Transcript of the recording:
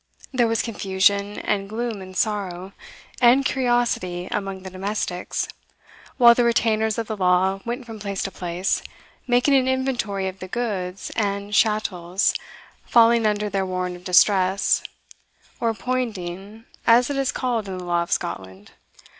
There was confusion, and gloom and sorrow, and curiosity among the domestics, while the retainers of the law went from place to place, making an inventory of the goods and chattels falling under their warrant of distress, or poinding, as it is called in the law of Scotland.